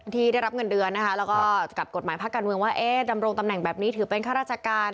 ที่ได้รับเงินเดือนนะคะแล้วก็กับกฎหมายภาคการเมืองว่าดำรงตำแหน่งแบบนี้ถือเป็นข้าราชการ